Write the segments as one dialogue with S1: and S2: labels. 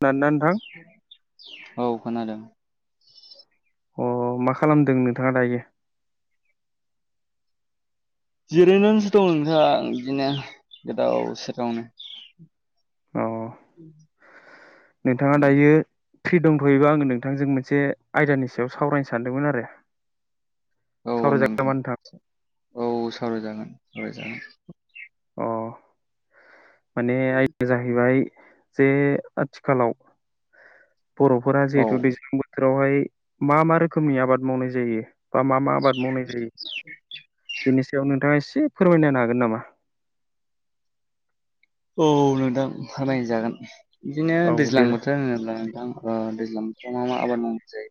S1: [unintelligible] नोंथां
S2: औ खोनादों
S1: अ मा खालामदों नोंथाङा दायो?
S2: जिरैनानैसो दं नोंथां बिदिनो गोदाव सोरावनो।
S1: अ नोंथाङा दायो फ्रि दंथ'योबा आङो नोंथांजों मोनसे आयदानि सायाव सावरायनो सानदोंमोन आरो।
S2: औ
S1: सावरायजागोन
S2: नोंथां
S1: नामा
S2: औ सावराय जागोन सावरायजागोन।
S1: अह माने आयदाया जाहैबाय जे आथिखालाव बर'फोरा
S2: औ
S1: जिहेतु दैज्लां बोथोरावहाय मा मा रोखोमनि आबाद मावनाय जायो? बा मा मा आबाद मावनाय जायो बेनि सायाव नोंथाङा एसे फोरमायनो हागोन नामा?
S2: औ नोंथां फोरमायजागोन बिदिनो
S1: औ दे
S2: दैज्लां बोथोर होनोब्ला नोंथां ओ दैज्लां बोथोराव मा मा आबाद मावनाय जायो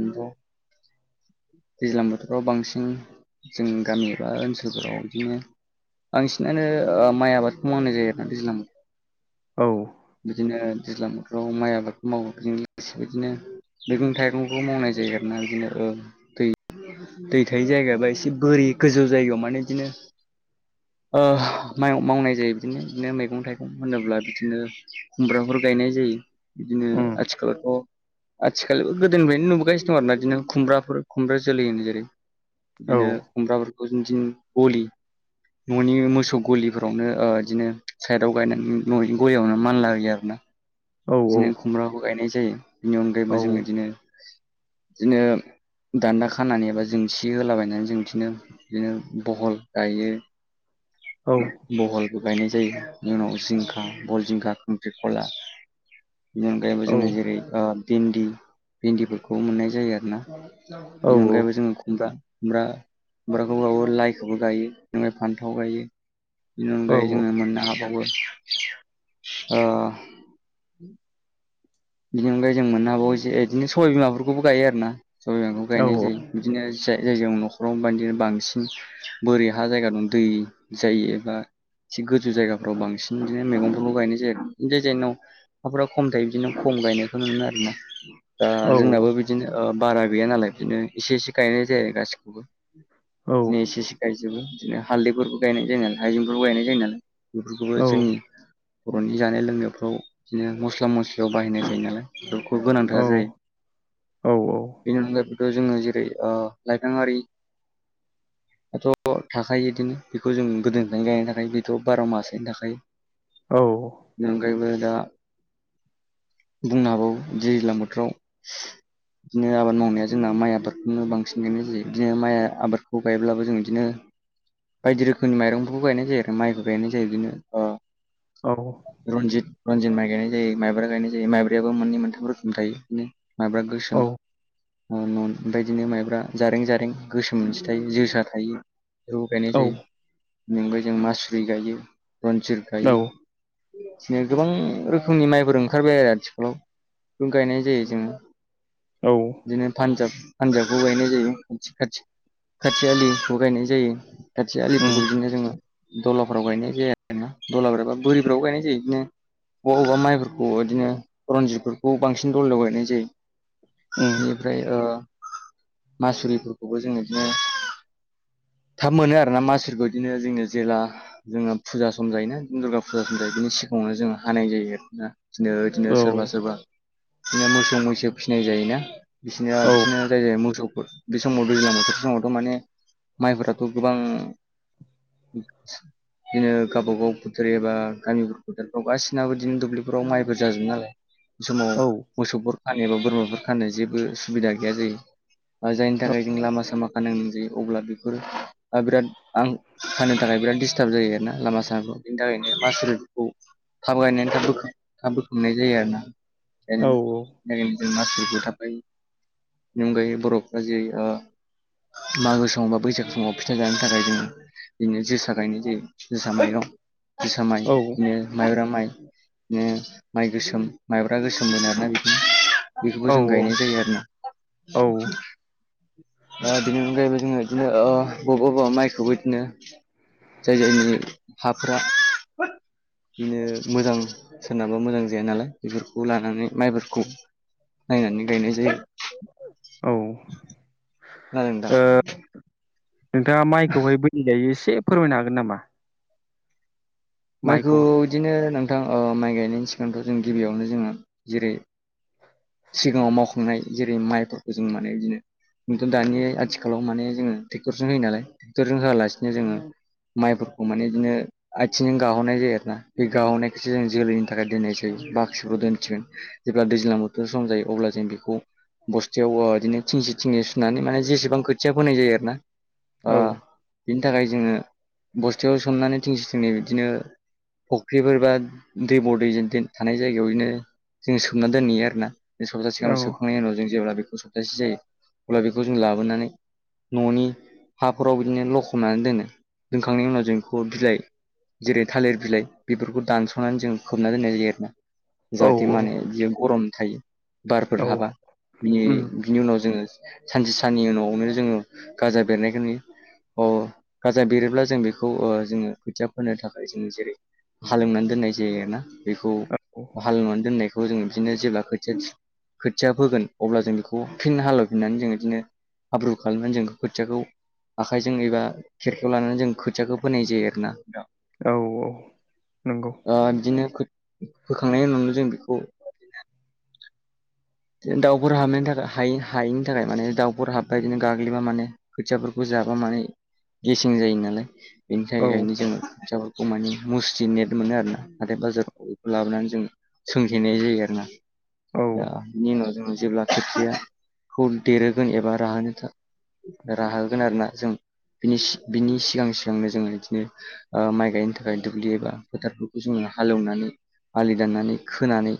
S2: नंगौ दैज्लां बोथोराव बांसिन जोंनि गामि एबा ओनसोलफोराव बिदिनो बांसिनानो ओ माइ आबादखौ मावनाय जायो आरोा दैज्लां
S1: औ उम
S2: बिदिनो दैज्लां बाव माइ आबादखौ मावो बिजों लोगोसे इदिनो मैगं थाइगंखौ मावनाय जायो आरोना इदिनो औ दै दै थायि जायगा बा एसे बोरि गोजौ जायगायाव माने इदिनो ओ मावनाय जायो बिदिनो बिदिनो मैगं थाइगं होनोब्ला बिदिनो खुमब्राफोर गायनाय जायो बिदिनो आथिखालावथ' आथिखालबो गोदोनिफ्राय नुबोगासिनो दं आरोना इदिनो खुमब्राफोर खुमब्रा जोलै होनो जेरै
S1: औ
S2: बिदिनो खुमब्राफोरखौ गलि न'नि मोसौ गलिफोरावनो बिदिनो साइदआव गायनानै न'नि गलियावनो मानला होयो आरो ना।
S1: औ
S2: इदिनो खुमब्राबो गायनाय जायो बिनि
S1: औ
S2: अनगायैबो जोङो बिदिनो बिदिनो दान्दा खानानै एबा जोंसि होलाबायनानै जों बिदिनो बिदिनो बहल गायो।
S1: औ
S2: बहलबो गायनाय जायो इनि उनाव जिंखा, बल, जिंखा, खांख्रिखला बेनि अनगायैबो
S1: औ
S2: जोङो जेरै ओ भिन्दि भिन्दिफोरखौ मोननाय जायो आरो ना। बेनि अनगायैबो
S1: औ
S2: जोङो खुमब्रा खुमब्रा खुमब्राखौबावो लाइखौबो गायो ओफ्राय फान्थाव गायो‌ बेनि अनगायै जोङो
S1: औ
S2: मोननो हाबावो ओ उ बिनि अनगाय जों मोननो हाबावो जे इदिनो सबाय बिमाफोरखौ‌बो गायो आरोना सबाय बिमाखौ गायनाय जायो। बिदिनो जाय जायजों न'खराव बायदिनो बांसिन बोरि हा जायगा दं दै जायो एबा एसे गोजौ जायगाफ्राव बांसिन बिदिनो मैगंफोरखौ गायनाय जायो। जाय जायनाव अखाफोरा खम थायो बिदिनो खम गायनायखौनो मोनो आरो ना दा
S1: औ
S2: जोंनाबो बि दिनो ओ बारा गैया नालाय बिदिनो एसे एसे गायनाय जायो गासिखौबो
S1: औ
S2: बिदिनो
S1: औ
S2: एसे एसे गायजोबो बिदिनो हालदैफोरबो गायनाय जायो नालाय हायजेंफोरबो गायनाय जायो नालाय
S1: औ
S2: बेफोरखौबो जोंनि बर'नि जानाय लोंनायफ्राव बिदिनो मस्ला मस याव बाहायनाय जायो नालाय बेखौ गोनांथार जायो। बेनि अनगायैबोथ' जोङो जेरै- ओ लाइफाङारि। दाथ थाखायो इदिनो बेखौ जों गोदोनिफायनो गायनो थाखाय बेथ बार मासयैनो थाखायो।
S1: औ।
S2: बेनि अनगायैबो दा बुंनो हाबावो दैज्लां बोथोराव। बिदिनो आबाद मावनाया जोंना माइ आबादखौनो बांसिन गायनाय जायो बिदिनो माइ आबादखौ गायब्लाबो जों इदिनो बायदि रोखोमनि माइरंखौबो गायनाय जायो आरो माइबो गायनाय जायो बेनो ओ
S1: औ।
S2: रनजित-रनजित माइ गायनाय जायो माइब्रा गायनाय जायो माइब्रायाबो मोननै मोनथाम रोखोमनि थायो। मायब्रा‌
S1: औ
S2: गोसोम। ओ नन बेबायदिनो माइब्रा जारें-जारें गोसोम मोनसे थायो जोसा थायो। खौ गायनाय जायो बेनि अनगायै जों मासुरि गायो रन्जि गायो
S1: औ
S2: बिदिनो गोबां रोखोमनि माइ फोर ओंखारबाय आरो आथिखालाव बेफोरखौ गायनाय जायो जोङो।
S1: औ।
S2: इदिनो पान्जाब-पान्जाबखौ गायनाय जायो खाथि-खाथि। खाथि आलिखौ गायनाय जायो खाथि
S1: उम
S2: आलिफोरखौ इदिनो जोङो दलाफ्राव गायनाय जाया आरो ना दलाफोराबा बोरिफ्राव गायनाय जायो इदिनो अबेबा अबेबा माइफोर अ इदिनो रनजितफोरखौ बांसिन दलयाव गायनाय जायो।
S1: उम
S2: बेनिफ्राय ओ मासुरिफोरखौबो जों इदिनो। थाब मोनो आरोना मासुरिखौ इदिनो जोंनि जेला। जोङो फुजा सम जायोना इदिनो दुर्गा फुजा सम जायो बिनि सिगाङावनो जोङो हानाय जायो आरोना। दिनो-दिनो
S1: औ
S2: सोरबा-सोरबा इदिनो मोसौ-मैसो फिनाय जायोना। बिसिनिया
S1: औ
S2: बिसिनिया जाय जाय मोसौफोर बे समाव दैज्लां बोथोर समावथ‌ माने माइफोराथ गोबां इदिनो गावबा गाव फोथार एबा गामिफोर फोथारफ्राव गासिनाबो इदिनो दुब्लि फोराव माइबो जाजोबो नालाय। समाव
S1: औ
S2: मोसौफोर खानो एबा बोरमाफोर खानो जेबो सुबिदा गैया जायो। जायनि थाखाय जों लामा सामा खानो गोनां जायो अब्ला बेफोर। आ बिराद आं खानो थाखाय बिराद दिस्टार्ब जायो आरोना लामा सामाखौ बिनि थाखायनो मासुरिफोरखौ। थाब गायनायनै थाब बोखां थाब बोखांनाय जायो आरो ना
S1: औ
S2: [inaudible] [unintelligible] मासुरिखौ थाब गायो बेनि अनगायै बर'फ्रा जेरै- ओ मागो समाव बा बैसाग समाव फिथा जानो थाखाय जोङो। बिदिनो जोसा गायनाय जायो जोसा माइरं जोसा माइ इदिनो माइब्रा माइ। इदिनो माइ गोसोम माइब्रा गोसोम होनो आरोना बेखौनो। बेखौबो
S1: औ
S2: जों गायनाय जायो
S1: औ
S2: आरोना। ओ बिनि अनगायैबो जोङो इदिनो ओ बबेबा बबेबा माइखौबो इदिनो जाय जायनि हाफोरा इदिनो मोजां सोरनाबा मोजां जाया नालाय बेफोरखौ लानानै माइफोरखौ नायनानै गायनाय जायो।
S1: ओ
S2: खोनादों नोंथां?
S1: नोंथाङा माइखौहाय बोरै गायो एसे फोरमायनो हागोन नामा?
S2: माइखौ
S1: माइखौहाय
S2: इदिनो नोंथां ओ माइ गायनायनि सिगांथ जों गिबियावनो जोङो जेरै सिगाङाव मावखांनाय जेरै- माइफोरखौ जों माने इदिनो। खिन्थु दानि आथिखालाव माने जोङो टेक्टरजों होयो नालाय टेक्टरजों होआलासिनो जोङो। माइफोरखौ माने इदिनो आयथिंजों गाहरनाय जायो आरो ना। बे गाहुनायखोसो जों जोलैनि थाखाय दोननाय जायो बाख्रिफोराव‌ दोनथिगोन जेब्ला दैज्लां बो थोर सम जायो अब्ला जों बेखौ बस्थायाव ओ इदिनो थिंसे थिंनै सुनानै माने जेसेबां खोथिया फोनाय जायो आरोना। ओ
S1: औ
S2: बिनि थाखाय जोङो बस्थायाव सोमनानै थिंसे थिंनै इदिनो फख्रिफोर बा दैब दैजों देन थानाय जायगायावनो जों सोमना दोनहैयो आरोना। सप्तासे गाहाम
S1: औ
S2: सोबखांनायनि उनाव जों जेब्ला बेखौ सप्तासे जायो अब्ला बेखौ जों लाबोनानै न'नि हाफोराव बिदिनो लखबनानै दोनो दोनखांनायनि उनाव जों बेखौ बिलाइ जेरै थालिर बिलाइ बेफोरखौ दानस'नानै जों खोबना दोननाय जायो आरोना
S1: औ
S2: जाहाथे माने बियो गरम थायो बारफोर
S1: औ
S2: हाबा बियो
S1: उम
S2: बिनि उनाव जोङो सानसे साननै उनावनो जोङो गाजा बेरनायखौ नुयो अ गाजा बेरोब्ला जों बेखौ ओ जोङो खोथिया फोनो थाखाय जों जेरै हालेवनानै दोननाय जायो आरोना बेखौ
S1: औ
S2: हालेवनानै दोननायखौ जोङो बिदिनो जेब्ला ख खोथिया फोगोन अब्ला जों बेखौ फिन हालेवफिननानै जों बिदिनो हाब्रु खालामनानै जों खोथियाखौ आखाइजों एबा खेरखेयाव लानानै जों खोथियाखौ फोनाय जायो आरोना नोंथां
S1: औ औ नंगौ
S2: ओ बिदिनो फोखांनायनि उनावनो जों बेखौ दाउफोर हाबनायनि थाखाय हायि- हायैनि थाखाय माने दाउफोर हाबबा बिदिनो गाग्लिबा माने खोथियाफोरखौ जाबा माने गेसें जायो नालाय बेनि
S1: औ
S2: थाखायनो जोङो खोथियाफोरखौ खौ माने मुस्रि नेट मोनो आर ना नाथाय बाजारफोराव बेखौ लाबोनानै जों सोंथेनाय जायो आरो ना
S1: औ
S2: दा बेनि उनाव जेब्ला खोथियाखौ देरहोगोन एबा राहोनो था राहोगोन आरोना जों बिनि- बिनि सिगां सिगांनो जोङो बिदिनो ओ माइ गायनो थाखाय दुब्लि एबा फोथारफोरखौ जोङो हालेवनानै आलि दाननानै खोनानै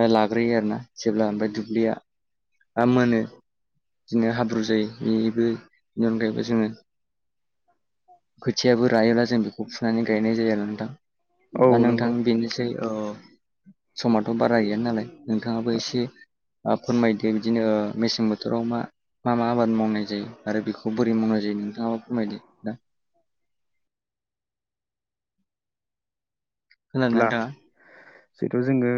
S2: ओ लाग्रोयो आरो ना जेब्ला ओमफ्राय दुब्लिया ओ मोनो बिदिनो हाब्रु जायो बेबो बेनि अनगायैबो जोङो खोथियाबो रायोब्ला जों बेखौ फुनानै गायनाय जायो आरोना नोंथां
S1: औ
S2: दा नोंथां
S1: नंगौ
S2: बेनोसै ओ समाथ' बारा गैया नालाय नोंथाङाबो एसे ओ फोरमायदो बिदिनो मेसें बोथोराव मा मा मा आबाद मावनाय जायो आरो बेखौ बोरै मावनाय जायो नोंथाङाबो फोरमायदो दा खोनादोंना
S1: अब्ला
S2: नोंथाङा
S1: जिथु जोङो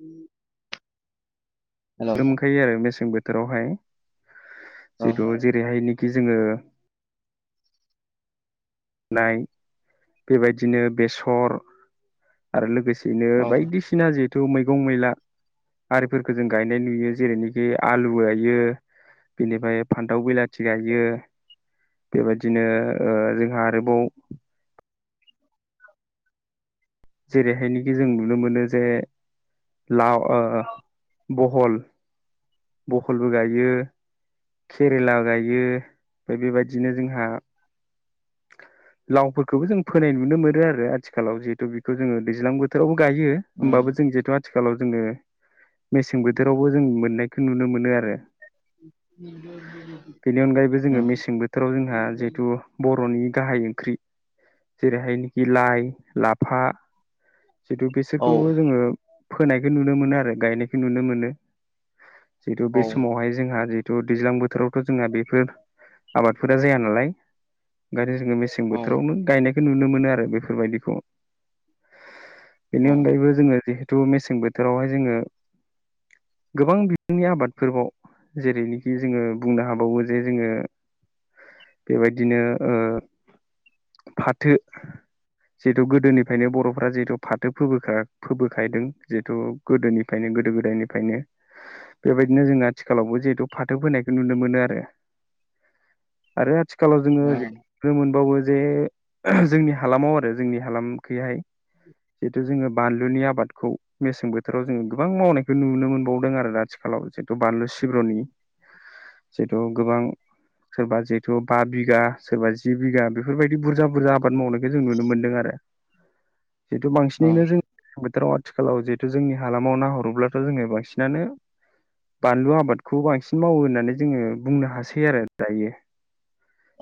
S2: ओम
S1: मोनखायो आरो मेसें बोथोरावहाय
S2: औ
S1: जिहेतु जेरैहायनाखि जोङो नाय बेबायदिनो बेसर आरो लोगोसेयैनो
S2: औ
S1: बायदिसिना बिसिना जिहेथु मैगं मैला आरिफोरखौ जों गायनाय नुयो जेरैनिखि आलु गयो बेनिफ्राय फान्थाव बिलाथि गायो बेबायदिनो ओ जोंहा आरोबाव जेरैहायनाखि जों नुनो मोनो जे लाव ओ बहल बहलबो गायो केरेला गायो ओमफ्राय बेबायदिनो जोंहा लावफोरखौबो जों फोनाय नुनो मोनो आरो आथिखालाव जिहेथु बेखौ जोङो दैज्लां बोथोरावबो गायो
S2: उम
S1: होमबाबो जों जिहेतु आथिखालाव जोङो मेसें बोथोरावबो जों मोननायखौ नुनो मोनो आरो बेनि अनगायैबो जोङो
S2: उम
S1: मेसें बोथोराव जोंहा जिहेथु बर'नि गाहाय ओंख्रि जेरैहायनेखि लाइ लाफा जितु
S2: औ
S1: बेसोरखौबो जोङो फोनायखौ नुनो मोनो आरो गायनायखौ नुनो मोनो जिहेतु
S2: औ
S1: बे समावहाय जोंहा जिहेतु दैज्लां बोथोरावथ' जोंना बेफोर आबादफोरा जाया नालाय ओंखायनो जोङो मेसें
S2: औ
S1: बोथोरावनो गायनाय- खौ नुनो मोनो आरो बेफोरबायदिखौ
S2: औ
S1: बेनि अनगायैबो जोङो जेहु थु मेसें बोथोरावहाय जोङो गोबां बिजोंनि आबादफोरबाव जेरैनेखि जोङो बुंनो हाबावो जे जोङो बेबायदिनो ओ फाथो जिहेतु गोदोनिफ्रायनो बर'फ्रा जिहेथु फाथो फोबो- फोबोखायदों जिहेतु गोदोनिफ्रायनो गोदो गोदायनिफ्रायनो बेबायदिनो जोङो आथिखालावबो जिहेतु फाथो फोनायखौ नुनो मोनो आरो। आरो आथिखालाव जोङो
S2: औ
S1: नो मोनबावो जे जोंनि हालामाव आरो जोंनि हालाम खैहाय जिहेथु जोङो बानलुनि आबादखौ मेसें बोथोराव जोङो गोबां मावनायखौ नुनो मोनबावो। दों आरो आथिखालाव जिहेतु बानलु सिब्र'नि
S2: [inaudible]
S1: जेथु गोबां सोरबा जिहेथु बा बिगा सोरबा जि बिगा बेफोरबायदि बुरजा बुरजा आबाद मावनायखौ जों नुनो मोन्दों आरो।
S2: [inaudible]
S1: जिहेतु
S2: औ
S1: बांसिनैनो जों बोथोराव आथिखालाव जिहेतु जोंनि हालामाव नाहरोब्लाथ' जोङो बांसिनानो बानलु आबादखौ बांसिन मावो होननानै जोङो बुंनो हासै आरो दायो।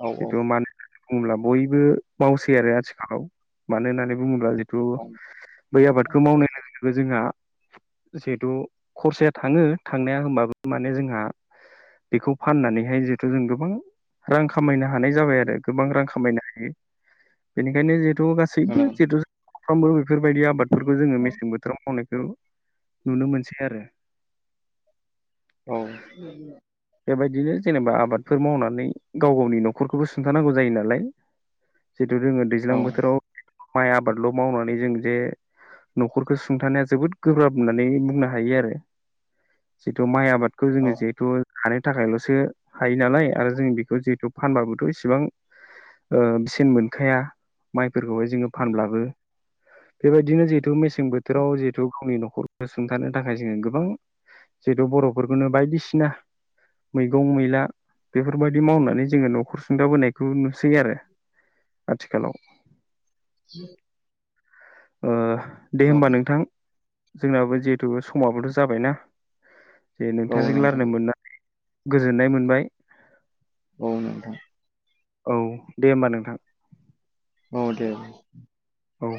S2: औ
S1: जिथु मानो बुङोला बयबो मावसै आरो आथिखालाव मानो होननानै बुङोब्ला जे थ'
S2: उम
S1: बै आबादखौ मावनाय लोगो लोगो लोगो जोंहा जिहेथु खरसाया थाङो थांनाया होनबाबो माने जोंहा बेखौ फाननानैहाय जिहेथु जों गोबां रां खामायनो हानाय जाबाय आरो। गोबां रां खामायनो हायो बेनिखायनो जिहेतु
S2: औ
S1: गासैबो जितु साफ्रोमबो बेफोरबायदि आबादफोरखौ जोङो मेसें बोथोराव मावनायखौ नुनो मोनो। [inaudible]
S2: औ।
S1: बेबायदिनो जेनेबा आबादफोर मावनानै गाव गावनि न'खरखौबो सुंथानांगौ जायो नालाय जिथु जोङो दैज्लां बोथोराव माइ आबादल' मावनानै जों जे न'खरखौ सुंथानाया जोबोद गोब्राब होननानै बुंनो हा यो आरो। जितु माइ आबादखौ जोङो
S2: औ
S1: जिहेथु हानो थाखायल'सो हायो नालाय आरो जों बेखौ जिहेथु फानबाबोथ' इसिबां बेसेन मोनखाया माइफोरखौ जों फानब्लाबो बेबायदिनो जिहेथु मेसें बोथोराव जिहेथु गावनि न'खरखौ ओंखारनो थाखाय जोङो गोबां जिहेथु बर'फोरखौनो बायदिसिना मैगं मैला बेफोरबायदि मावनानै जोङो न'खर सुंदाबोनायखौ नुसै आरो। आथिखालाव।
S2: [inaudible]
S1: ओ दे
S2: औ
S1: होमबा नोंथां जोंनाबो जे थ' समाबोथ' जाबायना जे
S2: औ
S1: नोंथांजों
S2: नोंथां
S1: रायनो मोननाय गोजोननाय मोनबाय।
S2: औ नोंथां।
S1: औ। दे होमबा नोंथां।
S2: औ दे।
S1: औ।